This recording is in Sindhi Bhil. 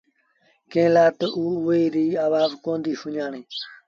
ڪݩهݩ لآ تا او اُئي ريٚ آوآز ڪوندينٚ سُڃآڻيݩ۔